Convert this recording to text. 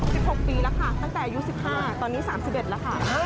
๑๖ปีแล้วค่ะตั้งแต่ยู๑๕ตอนนี้๓๑แล้วค่ะ